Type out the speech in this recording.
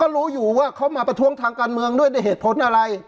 รู้อยู่ว่าเขามาประท้วงทางการเมืองด้วยในเหตุผลอะไร